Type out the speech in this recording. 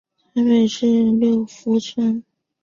台北至六福村。